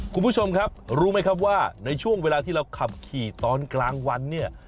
คุณผู้ชมครับรู้ไหมครับว่าในช่วงเวลาที่เราขับขี่ตอนกลางวันเนี่ย